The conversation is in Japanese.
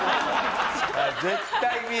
絶対見る。